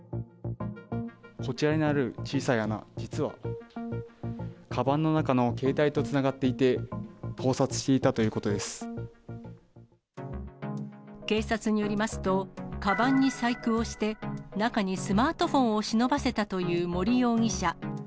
こちらにある小さい穴、実はかばんの中の携帯とつながっていて、盗撮していたということ警察によりますと、かばんに細工をして、中にスマートフォンを忍ばせたという森容疑者。